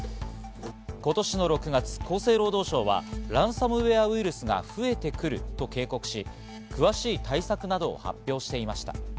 今年の６月、厚生労働省はランサムウエアウイルスが増えてくると警告し、詳しい対策などを発表していました。